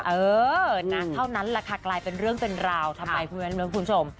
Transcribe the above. เออนะเท่านั้นแหละค่ะกลายเป็นเรื่องเป็นราวทำไมคุณผู้ชม